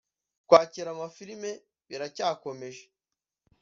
Kwakira amafilime biracyakomeje